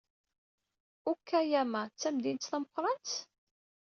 Okayama d tamdint tameqrant?